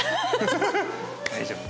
大丈夫。